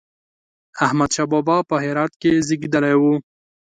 احمد شاه بابا په هرات کې زېږېدلی و